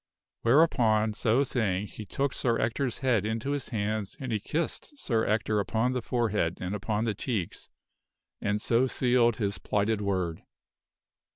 " Whereupon so saying, he took Sir Ector' s head into his hands and he kissed Sir Ector upon the forehead and upon the cheeks, and so sealed his plighted word.